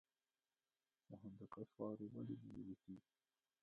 د هندوکش واورې ولې نه ویلی کیږي؟